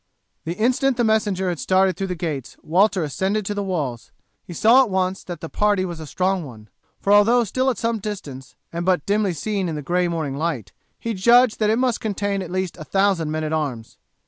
The instant the messenger had started through the gates Walter ascended to the walls; he saw at once that the party was a strong one; for although still at some distance, and but dimly seen in the gray morning light, he judged that it must contain at least a thousand men at arms.